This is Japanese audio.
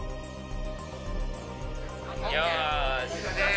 よし。